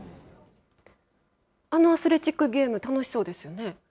あのアスレチックゲーム、楽しそうですよね。